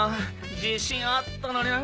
自信あったのにな。